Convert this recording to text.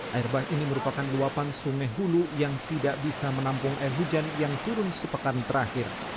air ban ini merupakan luapan sungai hulu yang tidak bisa menampung air hujan yang turun sepekan terakhir